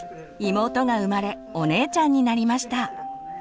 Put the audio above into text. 妹が生まれお姉ちゃんになりました。